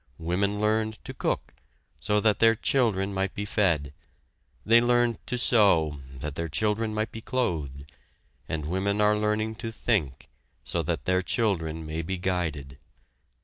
Women learned to cook, so that their children might be fed; they learned to sew that their children might be clothed, and women are learning to think so that their children may be guided.